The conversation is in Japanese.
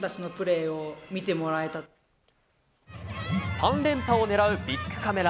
３連覇を狙うビックカメラ